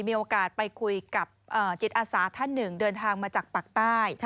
มีโอกาสไปคุยกับจิตอาสาท่านหนึ่งเดินทางมาจากปากใต้